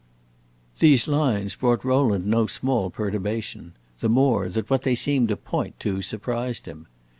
These lines brought Rowland no small perturbation; the more, that what they seemed to point to surprised him.